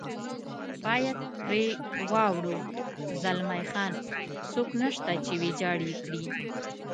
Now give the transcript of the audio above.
باید پرې واوړو، زلمی خان: څوک نشته چې ویجاړ یې کړي.